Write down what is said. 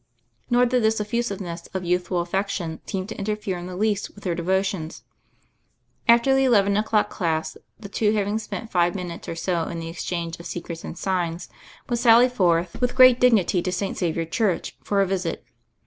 Nor did this effusiveness of youthful affection seem to interfere in the least with their devo tions. After the eleven o'clock class the two, having spent five minutes or so in the exchange of secrets and signs, would sally forth with 146 THE FAIRY OF THE SNOWS great dignity to St. Xavier Church for a visit.